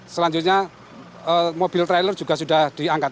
selanjutnya mobil trailer juga sudah diangkat